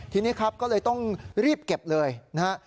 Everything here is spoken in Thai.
ทีนี้ครับก็เลยต้องรีบเก็บเลยนะฮะ